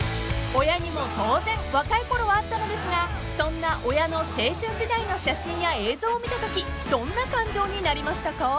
［親にも当然若いころはあったのですがそんな親の青春時代の写真や映像を見たときどんな感情になりましたか？］